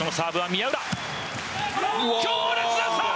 強烈なサーブ！